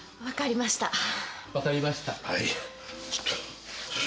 「分かりました」